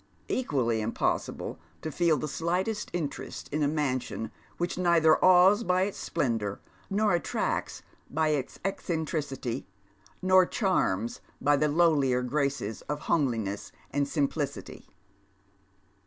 Equally impossible to feel the slightest interest in a mansion wliich neither awes by its splendour nor attracts by its eccentricity, nor charms by the lowlier graces of homeliness and simplicity.